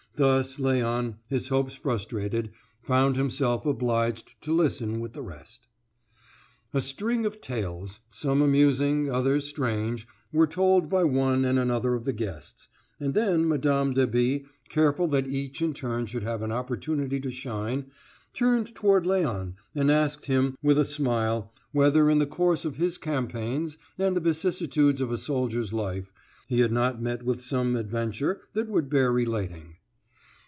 Thus Léon, his hopes frustrated, found himself obliged to listen with the rest. A string of tales, some amusing, others strange, were told by one and another of the guests, and then Mme. de B., careful that each in turn should have an opportunity to shine, turned toward Léon and asked him, with a smile, whether in the course of his campaigns and the vicissitudes of a soldier's life, he had not met with some adventure that would bear relating.